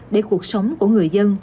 để cuộc sống của người dân